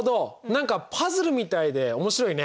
何かパズルみたいで面白いね。